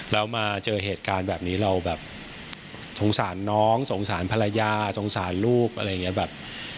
แล้วมาเจอเหตุการณ์แบบนี้เราแบบสงสารน้องสงสารภรรยาสงสารลูกอะไรอย่างนี้แบบ